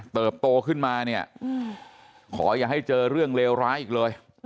โตขึ้นมาเนี่ยขออย่าให้เจอเรื่องเลวร้ายอีกเลย